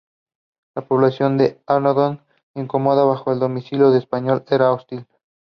All songs written by Clark.